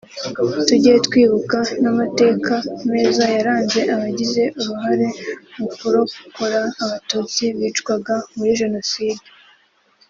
tujye twibuka n’amateka meza yaranze abagize uruhare mu kurokora Abatutsi bicwaga muri Jenoside